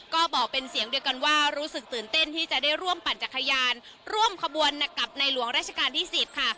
ก็บอกเป็นเสียงเดียวกันว่ารู้สึกตื่นเต้นที่จะได้ร่วมปั่นจักรยานร่วมขบวนกับในหลวงราชการที่๑๐ค่ะ